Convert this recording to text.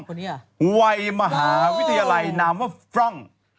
คนนี้อ่ะวัยมหาวิทยาลัยนามว่าฟรอง